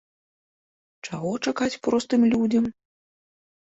Чаго чакаць простым людзям?